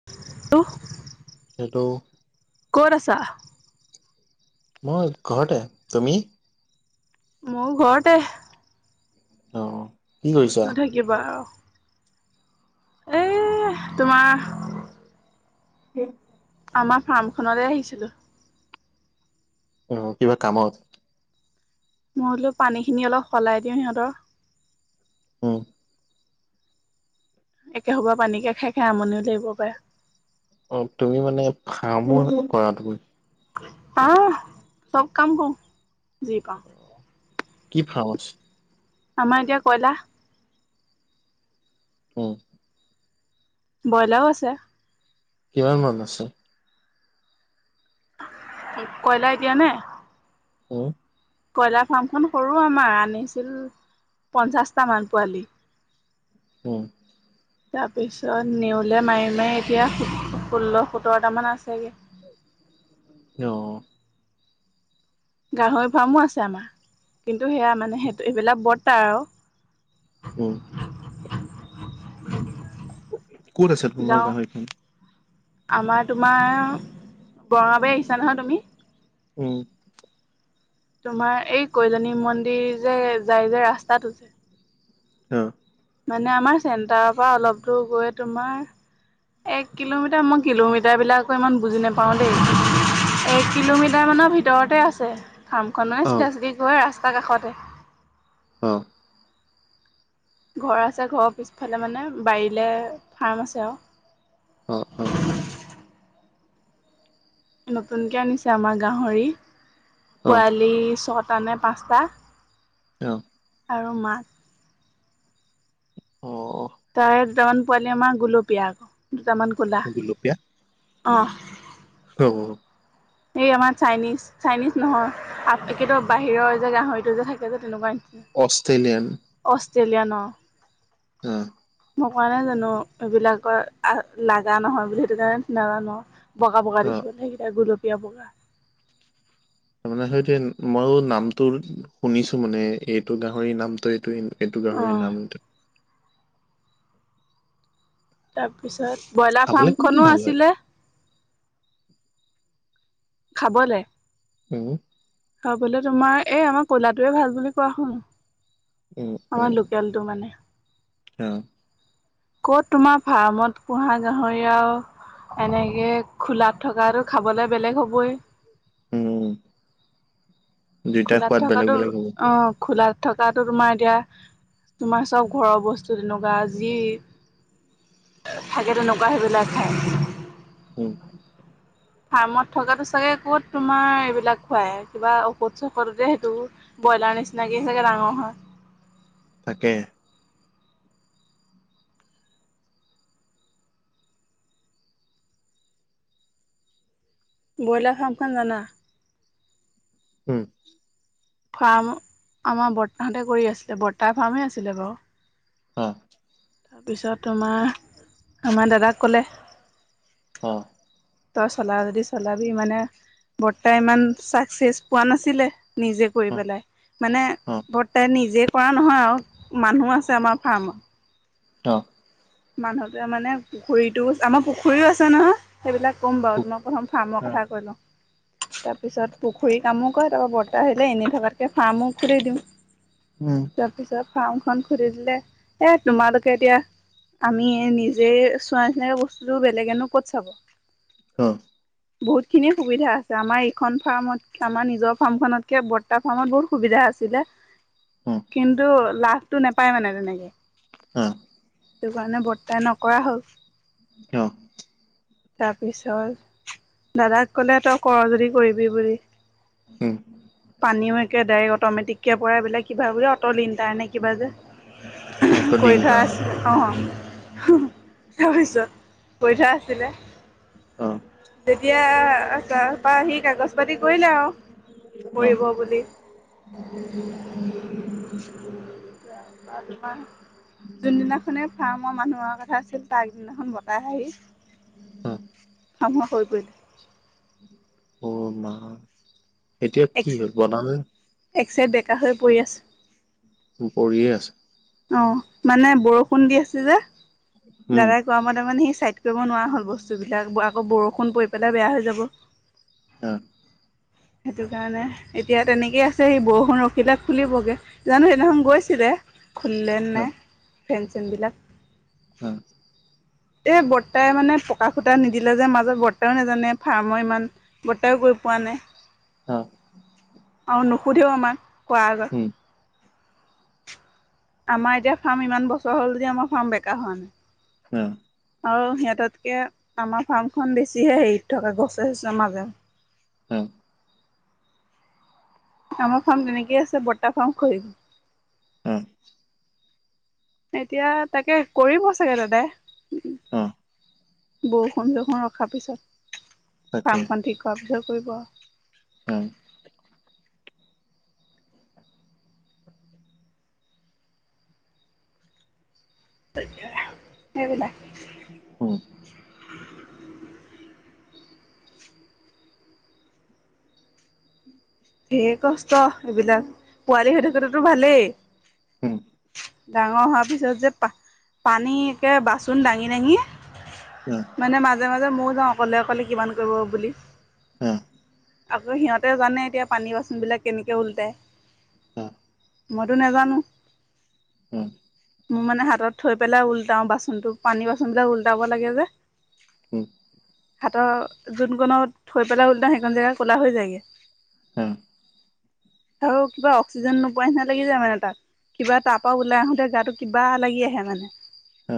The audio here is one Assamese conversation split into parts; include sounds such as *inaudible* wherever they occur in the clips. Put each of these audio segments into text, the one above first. *unintelligible* সেইটো ক'ত আছা? মই ঘৰতে তুমি ময়ো ঘৰতে অ কি ক'ত কৰিছা নথাকিবা আৰু এ তোমা *unintelligible* আমাৰ ফাৰ্মখনলে আহিছিলো। অ কিবা কামত মই বোলো পানীখিন অলপ সলাই দিওঁ সিহঁতৰ হো একে সোবা পানীকে খাই খাই আমনিও লাগিব পাৰে অ তুমি মানে ফাৰ্মো কৰা তুমি আহ চব কাম কও। কি ফাৰ্মছ আমাৰ এতিয়া কয়লা উম। ব্ৰইলাও আছে। কিমান মান আছে। কয়লাৰ এতিয়ানে? উম। কয়লাৰ ফাৰ্মখন সৰু আমাৰ আনিছিল পঞ্চাছটামান পোৱালি। উম। তাৰ পিছত নেউলে মাৰি মাৰি এতিয়া ষোল্ল সোতৰটামান আছে গে। অ। গাহৰি ফাৰ্মো আছে আমা, কিন্তু সেয়া মানে সেইটো সেইবিলাক বৰ্তা আও। অ ক'ত আছে তোন যাওঁ গাঁও এইখন? আমাৰ তোমাৰ বঙাবাৰী আহিছা নহয় তুমি? উম। তোমাৰ এই কৈলনী মন্দিৰ যে যাই যে ৰাস্তাতো যে। অ। মানে আমাৰ চেণ্টাৰৰ পৰা অলপ দূৰ গৈ তোমাৰ এক কিলোমিটাৰ মই কিলোমিটাৰ বিলাক ক ইমান বুজি নাপাওঁ দেই এক কিলোমিটাৰমানৰ ভিতৰতে আছে। ফাৰ্মখনৰ অ চিধা চিধি গৈ ৰাস্তাৰ কাষতে। অ। ঘৰ আছে ঘৰৰ পিছফালে মানে বাৰীলে ফাৰ্ম আছে আও। অ অহ। নতুনকে আনিছে আমাৰ গাহৰি। অ পোৱালি ছয়টা নে পাঁচটা। অ। আৰু মাক। অ অহ। তাৰ দুটামান পোৱালি আমাৰ গুলপীয়া আক দুটামান কলা অ অ। ত অ। এই আমাৰ চাইনিজ চাইনিজ নহয় হাফপাকেতত বাহিৰৰ যে গাহৰিটো যে থাকে যে তেনেকুৱাই। অষ্ট্ৰেলিয়ান। অষ্ট্ৰেলিয়ান অ। উম। মই কোৱা নাই জানো এইবিলাকৰ আ লাগা নহয় বুলি সেইটো কাৰণে নাজানো অ। বগা বগা অ দেখিবলে সেইকেইটা গুলপীয়া বগা। তাৰ মানে হয়টো মইয়ো নামটো শুনিছো মানে এইটো গাহৰি নামটো এইটো। সেইটো গাহৰি অ', নাম থা- তাৰপিছত ব্ৰইলাৰ খাবলৈ কোনটো ফাৰ্মখনো ভাল হয় আছিলে। খাবলে। হু? খাবলে তোমাৰ এই আমাৰ কয়লাটোৱে ভাল বুলি কোৱা শুন উম, উম, আমাৰ লো কেলটো মানে। অ। ক'ত তোমাৰ ফাৰ্মত পুহা গাহৰি আৰু এনেকে খোলাত থকাটো খাবলে বেলেগ হ'বই। উম দুইটা খোলাত সোৱাদ বেলেগ থকাটো বেলেগ হ'ব। অ খোলাত থকাটো তোমাৰ এতিয়া তোমাৰ চব ঘৰৰ বস্তু তেনেকুৱা যি থাকে তেনেকুৱা সেইবিলাক খায়। হুম। ফাৰ্মত থকাতো চাগে ক'ত তোমাৰ এইবিলাক খুৱায়? কিবা ঔষধ-চষধতে সেইটো ব্ৰইলাৰ নিচিনাকৈ চাগে ডাঙৰ হয়। তাকে। ব্ৰইলাৰ ফাৰ্মখন জানা? উম। ফাৰ্ম আমাৰ বৰ্তাহঁতে কৰি আছিলে। বৰ্তাৰ ফাৰ্মেই আছিলে বাৰু। অ। তাৰপিছত তোমাৰ আমাৰ দাদাক ক'লে অ। তই চলা যদি চলাবি, মানে বৰ্তাই ইমান চাকচেচ পোৱা নাছিলে। নিজে কৰি অ', পেলাই, মানে অ', বৰ্তাই নিজে কৰা নহয় আও। মানুহ আছে আমাৰ ফাৰ্মত। অ। মানুহটোৱে মানে পুখুৰীটো, আমাৰ পুখুৰীও আছে নহয়। সেইবিলাক ক'ম বাও। তোমাক প্ৰথম ফাৰ্মৰ কথা কৈ লওঁ। তাৰপিছত পুখুৰীৰ কামো কৰে। তাৰপা বৰ্তাই ভাবিলে এনেই থকাতকৈ ফাৰ্মো খুলি দিওঁ। উম। তাৰপিছত ফাৰ্মখন খুলি দিলে। এই তোমালোকে এতিয়া আমি এ নিজেই চোৱা নিচিনাকে বস্তুটো বেলেগেনো ক'ত চাব? অ। বহুতখিনি সুবিধা আছে। আমাৰ এইখন ফাৰ্মত আমাৰ নিজৰ ফাৰ্মখনতকে বৰ্তা ফাৰ্মত বহুত সুবিধা আছিলে, উম, কিন্তু লাভটো নেপায় মানে তেনেকে। অ', সেইটো কাৰণে বৰ্তাই নকৰা হ'ল। অ। তাৰপিছত দাদাক ক'লে তই কৰ যদি কৰিবি বুলি। উম। পানীও একে ডাইৰেক অট'মেটিককে পৰে বোলে। কিবা বোলে অট লিণ্টাৰ নে কিবা যে। অট'ডিংকাৰ অ', তো কৰি থোৱা ডিংকাৰ, আছে। অ, অ তাৰপিছত কৰি থোৱা আছিলে। অ। তেতিয়া তাপা আহি কাগজ-পাতি কৰিলে আও। অ', কৰিব বুলি *inaudible* এতিয়া পৰা তোমাৰ যোনদিনাখনে ফাৰ্মৰ মানুহ অহা কথা আছিল, তাৰ আগ দিনাখন বতাহ আহিল। অ। শাওন মাহ *unintelligible* অ মা। এতিয়া কি হ'ল বনালে একচাইত বেকা হৈ পৰি আছে। কৰিয়ে আছে। অ মানে বৰষুণ দি আছে যে, উম, দাদাক কোৱামতে মানে সি ছাইড কৰিব নোৱাৰা হল বস্তুবিলাক, আকৌ বৰষুণ পৰি পেলাই বেয়া হৈ যাব। অ। সেইটো কাৰণে এতিয়া তেনেকেই আছে। সি বৰষুণ ৰখিলে খুলিবগে। জানো সেইদিনাখন গৈছিলে খুলিলে নে অ', নাই ফেন-চেনবিলাক? অ। এ বৰ্তাই মানে পকা খুটা নিদিলে যে মাজত। বৰ্তাও নেজানে ফাৰ্মৰ ইমান বৰ্তাই গৈ পোৱা নাই। অ, আও নুসুধেও আমাক, কোৱাৰ আগত। উম, আমাৰ এতিয়া ফাৰ্ম ইমান বছৰ হল যদিও, আমাৰ ফাৰ্ম বেকা হোৱা নাই। উম। আৰু সিহঁতকে আমাৰ ফাৰ্মখন বেছিহে হেৰিত থকা, গছে-চছে মাজে। হম। আমাৰ ফাৰ্ম তেনেকেই আছে, বৰ্তা ফাৰ্ম খহিল। উম। এতিয়া তাকে কৰিব চাগে দাদাই। অহ। বৰষুণ চৰষুণ ৰখাৰ পিছত, তাকে, ফাৰ্মখন ঠিক কৰা পিছত কৰিব আৰু। উম। তাকে সেইবিলাক। উম। *unintelligible* *unintelligible* ধেৰ কষ্ট এইবিলাক, পোৱালি হৈ থাকোতেতো ভালেই। উম, ডাঙৰ হোৱাৰ পিছত যে, পা পানী একে বাচোন দাঙ- দাঙি *unintelligible* মানে মাজে মাজে ময়ো যাওঁ অকলে অকলে কিমান কৰিব বুলি। অ', আকৌ সিহঁত জানে এতিয়া পানী বাচোনবিলাক কেনেকে ওলটাই, অ', মইতো নেজানো। উম। মোৰ মানে হাতত থৈ পেলাই উলটাও বাচন টো, পানী বাচনবিলাক উলটাব লাগে যে উম। হাতৰ যোনকনত থৈ পেলাই উলটাওঁ, সেইকন জেগা ক'লা হৈ যায়গে। অ', আও কিবা অক্সিজেন নোপোৱা নিচিনা লাগি যায় মানে তাত। কিবা তাৰপা ওলাই আহোতে গাটো কিবা লাগি আহে মানে।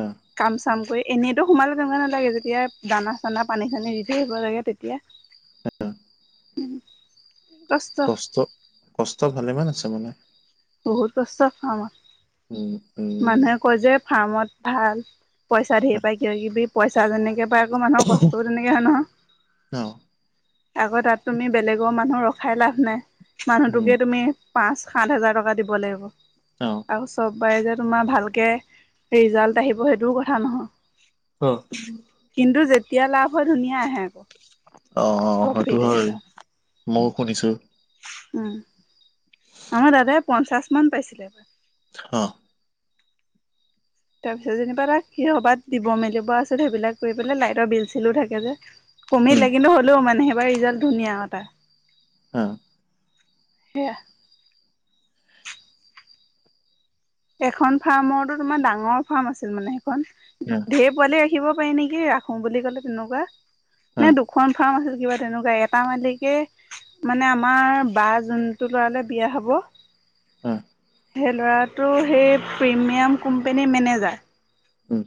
অ', কাম চাম কৰি এনেইতো সোমালে তেনেকুৱা নালাগে, যেতিয়া দানা চানা, পানী চানী দি থাকিব লাগে তেতিয়া। কষ্ট, কষ্ট ভালেমান আছে মানে। বহুত কস্ত ফ্ৰামত। উম, উম। মানুহে কয় যে ফাৰ্মত ভাল, পইচা ধেৰ পায় কিব কিবি, পইচা যেনেকে পায় ঘ মানুহৰ কষ্টও তেনেকে য়া নহ, ন আকৌ তাত তুমি বেলেগৰ মানুহ ৰখাই লাভ নাই। উম মানুহটোকে তুমি পাঁচ-সাত হাজাৰ টকা দিব লাগিব। অ, আৰু চব বাৰে যে তোমাৰ ভালকে ৰিজাল্ট আহিব সেইটোও কথা নহয়। অ কিন্তু যেতিয়া লাভ হয়, ধুনীয়া আহে আক। অ সেইটো হয়, মইও শুনিছোঁ। উম, আমাৰ দাদাই পঞ্চাছ মান পাইছিলে এবাৰ। অঁ তাৰপিছত যেনিবা তাক কি হবাত দিব মেলিব আছে সেইবিলাক কৰি পেলাই লাইটৰ বিল চিলো থাকে যে। উম কমিলে কিন্তু হ'লেও মানে সেইবাৰ ৰিজাল্ট ধুনীয়া তা। অ। সেয়া। এখন ফাৰ্মৰতো তোমাৰ ডাঙৰ ফাৰ্ম আছিল মানে সেইখন। যা *unintelligible* ঢেৰ পোৱালি ৰাখিব পাৰি নেকি ৰাখো বুলি ক'লে তেনেকুৱা। অ নে দুখন ফাৰ্ম আছিল কিবা তেনেকুৱা এটা মালিক। কি, মানে আমাৰ বা যোনটো ল'ৰালে বিয়া হ'ব। উম সেই ল'ৰাটো সেই প্ৰিমিয়াম কোম্পানীৰ মেনেজাৰ। উম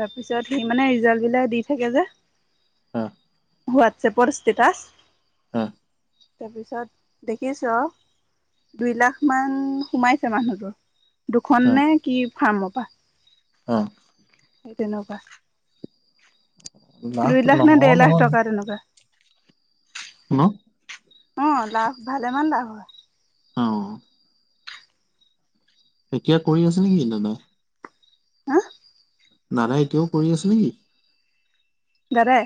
তাৰপিছত সি মানে ৰিজাল্ট বিলাক দি থাকে যে। অ হোৱাটছএপত ষ্টেটাছ। অ তাৰপিছত দেখিছোঁ অ- দুই লাখ মান সোমাইছে মানুহটোৰ, দুখন নে কি ফাৰ্মৰ পা। উম সেই তেনেকুৱা। লাভ দুই লাখ নে নহয় ডেৰ লাখ নহয় টকা তেনেকুৱা। ন অ লাভ ভালেমান লাভ হয়। অঁ এতিয়া কৰি আছে নেকি দাদাই। হা দাদাই এতিয়াও কৰি আছে নেকি? দাদাই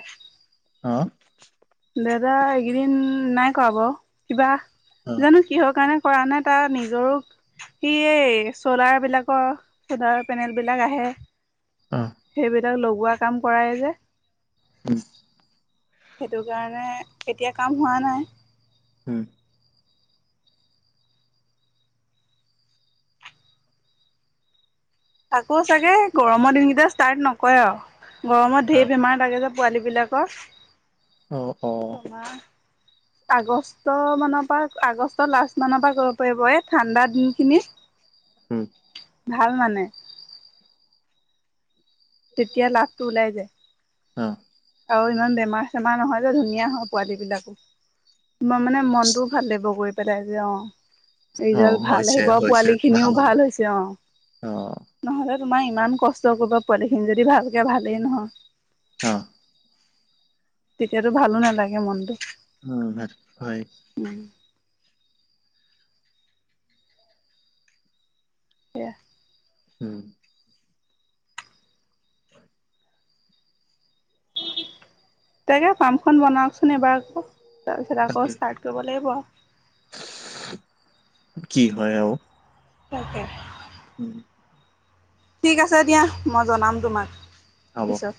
অঁ দাদা এইকেইদিন নাই কৰা বাৰু, কিবা- উম হুহ কিহৰ কাৰণে কৰা নাই তাৰ নিজৰো। সি এই চলাৰ বিলাকৰ চলাৰ পেনেল বিলাক আহে। উম সেইবিলাক লগোৱা কাম কৰায় যে। উম সেইটো কাৰণে এতিয়া কাম হোৱা নাই। উম আকৌ চাগে গৰমৰ দিনকেইটা ষ্টাৰ্ট নকৰে আৰু গৰমত অ ঢেৰ বেমাৰ লাগে যে। পোৱালিবিলাকৰ। অ অ মা আগষ্ট মানৰ পা আগষ্টৰ লাষ্ট মানৰ পা কৰিব পাৰিব এই ঠাণ্ডা দিনখিনি- *unintelligible* উম ভাল মানে- তেতিয়া লাভটো ওলাই যায় উম আৰু ইমান বেমাৰ চেমাৰ নহয় যে, ধুনীয়া হয় পোৱালী বিলাকো। তোমাৰ মানে মনটোও ভাল লাগিব গৈ পেলাই যে অঁ। অ ৰিজাল্ট ভাল হৈছে আহিব হৈছে পোৱালি খিনিও হ'ব ভাল হৈছে অঁ। অ নহলে তোমাৰ ইমান কষ্ট কৰিব, পোৱালি খিনি যদি ভালকে ভালেই নহয়। অ তেতিয়াতো ভালো নেলাগে মনটো উম ভাত হয় সেয়া উম উ *inaudible* তাকে ফাৰ্মখন বনাওকচোন এবাৰ, আকৌ তাৰপিছত আকৌ তাকে ষ্টাৰ্ট কৰিব লাগিব আৰু। কি হয় আৰু। তাকে উম ঠিক আছে দিয়া মই জনাম তোমাক হ'ব। পিছত